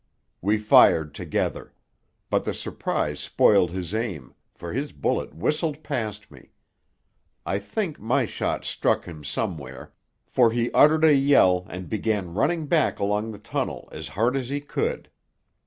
We fired together. But the surprize spoiled his aim, for his bullet whistled past me. I think my shot struck him somewhere, for he uttered a yell and began running back along the tunnel as hard as he could.